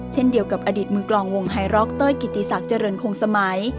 เช่นเดียวกับอดีตมือกลองวงไฮร็อกเต้ยกิติศักดิ์เจริญคงสมัย